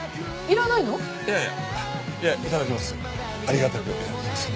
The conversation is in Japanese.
いやいただきます。